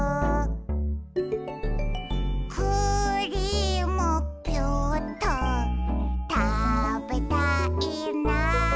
「クリームピューっとたべたいな」